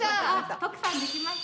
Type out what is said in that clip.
徳さんできました。